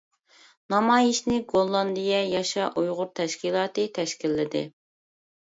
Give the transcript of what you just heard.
نامايىشنى گوللاندىيە ياشا ئۇيغۇر تەشكىلاتى تەشكىللىدى.